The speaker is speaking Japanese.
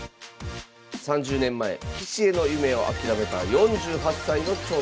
３０年前棋士への夢を諦めた４８歳の挑戦。